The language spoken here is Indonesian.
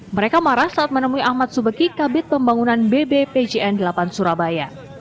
mereka marah saat menemui ahmad subeki kabit pembangunan bbpjn delapan surabaya